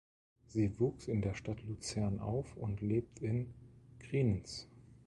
Sie wuchs in der Stadt Luzern auf und lebt in Kriens.